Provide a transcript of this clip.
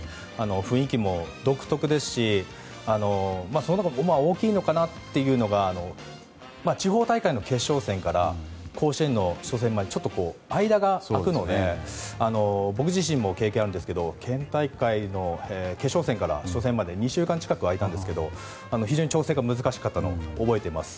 雰囲気も独特ですしその中でも大きいのかなと思うのが決勝戦から甲子園の初戦までちょっと間が空くので僕自身も経験があるんですけど県大会の決勝戦から初戦まで２週間近く空いたんですけど非常に調整が難しかったのを覚えています。